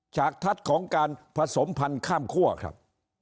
ฉากทัศน์ของการผสมพันธุ์ข้ามคั่วครับ